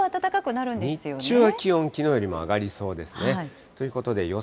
日中は気温、きのうよりも上がりそうですね。ということで予想